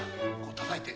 たたいて。